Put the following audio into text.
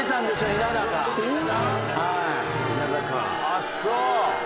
あっそう。